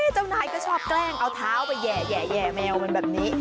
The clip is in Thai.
เจ้านายก็ชอบแกล้งเอาเท้าไปแห่แมวมันแบบนี้